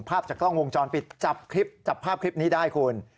ภาพจากกล้องวงจรปิดจับคลิปจับภาพคลิปนี้ได้คุณ